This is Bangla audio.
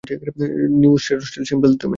New shadow style, simple domain!